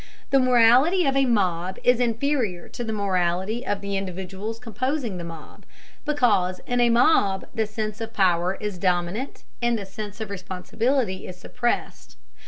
The morality of a mob is inferior to the morality of the individuals composing the mob, because in a mob the sense of power is dominant and the sense of responsibility is suppressed.